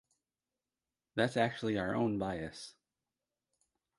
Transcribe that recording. That's actually our own bias.